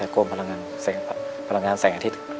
กลมพลังงานแสงอาทิตย์